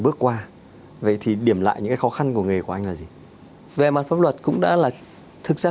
bước qua vậy thì điểm lại những cái khó khăn của nghề của anh là gì về mặt pháp luật cũng đã là thực ra